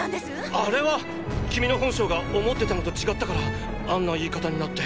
あれは君の本性が思ってたのと違ったからあんな言い方になって！